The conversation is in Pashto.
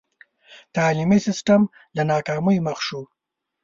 تعلیمي سسټم له ناکامۍ مخ شو.